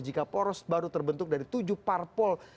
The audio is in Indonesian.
jika poros baru terbentuk dari tujuh parpol